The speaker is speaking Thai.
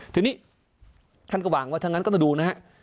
ทีนี้ท่านก็วางว่าทางนั้นก็ต้องดูนะครับ